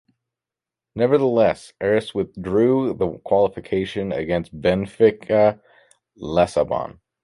Nevertheless, Aris withdrew in the qualification against Benfica Lissabon.